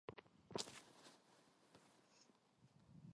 간난 어머니는 일어나더니 농문을 열고 편지봉투를 꺼내 가지고 선비 앞으로 왔다.